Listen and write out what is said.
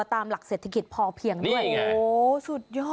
ตามหลักเศรษฐกิจพอเพียงด้วย